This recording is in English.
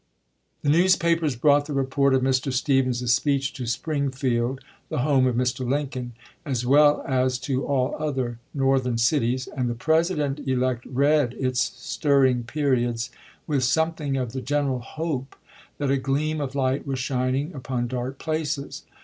The newspapers brought the report of Mr. Stephens's speech to Springfield, the home of Mr. Lincoln, as well as to all other Northern cities, and the President elect read its stirring periods with something of the general hope that a gleam of light was shining upon dark places.